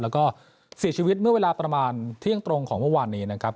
แล้วก็เสียชีวิตเมื่อเวลาประมาณเที่ยงตรงของเมื่อวานนี้นะครับ